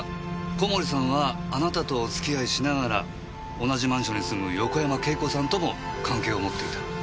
小森さんはあなたとお付き合いしながら同じマンションに住む横山慶子さんとも関係を持っていた。